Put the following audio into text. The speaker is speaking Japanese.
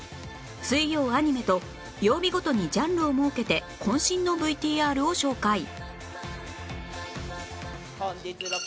水曜アニメと曜日ごとにジャンルを設けて渾身の ＶＴＲ を紹介